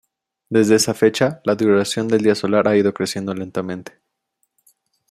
Desde esa fecha, la duración del día solar ha ido creciendo lentamente.